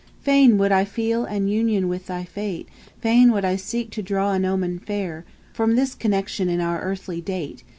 11. Fain would I feel an union with thy fate: Fain would I seek to draw an omen fair From this connection in our earthly date.